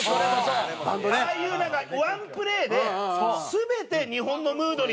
ああいうなんか１プレーで全て日本のムードに。